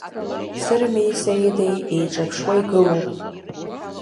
Сырмеи Саидеи еиҿаԥшуа игылоуп.